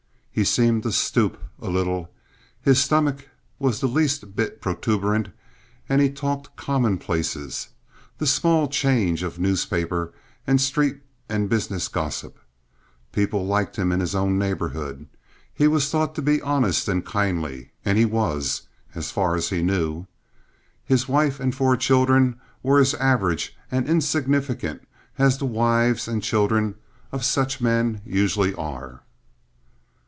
He seemed to stoop a little, his stomach was the least bit protuberant, and he talked commonplaces—the small change of newspaper and street and business gossip. People liked him in his own neighborhood. He was thought to be honest and kindly; and he was, as far as he knew. His wife and four children were as average and insignificant as the wives and children of such men usually are.